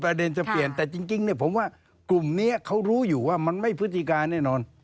ประเด็นจะเปลี่ยนแต่จริงเนี่ยผมว่ากลุ่มนี้เขารู้อยู่ว่ามันไม่พฤติการแน่นอน